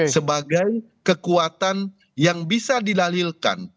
sebagai kekuatan yang bisa didalilkan